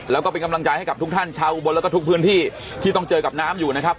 แล้วก็เป็นกำลังใจให้กับทุกท่านชาวอุบลแล้วก็ทุกพื้นที่ที่ต้องเจอกับน้ำอยู่นะครับ